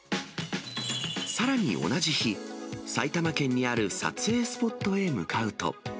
さらに同じ日、埼玉県にある撮影スポットへ向かうと。